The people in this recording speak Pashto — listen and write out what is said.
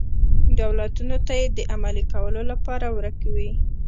دولتونو ته یې د عملي کولو لپاره ورک وي.